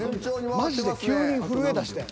［マジで急に震えだしてん］